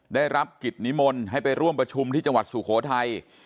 ได้รับกิจนิมนต์ให้ไปร่วมประชุมที่จังหวัดสุโขทัย